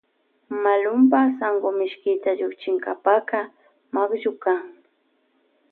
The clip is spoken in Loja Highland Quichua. Malunpa sankumishkita llukchinkapa makllukan.